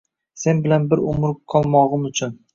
Sen bilan bir umr qolmogʼim uchun